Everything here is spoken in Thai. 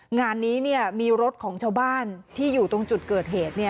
งานนี้มีรถของชาวบ้านที่อยู่ตรงจุดเกิดเหตุ